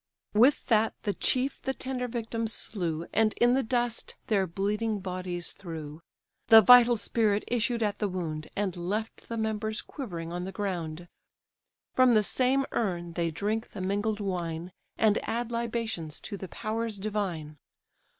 With that the chief the tender victims slew, And in the dust their bleeding bodies threw; The vital spirit issued at the wound, And left the members quivering on the ground. From the same urn they drink the mingled wine, And add libations to the powers divine.